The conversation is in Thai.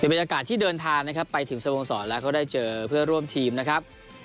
เป็นบรรยากาศที่เดินทางไปถึงสมสรรค์แล้วเขาได้เจอเพื่อร่วมทีมนะครับ